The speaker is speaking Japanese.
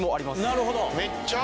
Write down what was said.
なるほど。